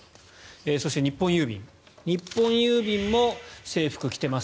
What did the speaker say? そして日本郵便も制服を着ています。